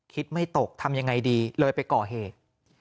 ไม่ตกทำยังไงดีเลยไปก่อเหตุ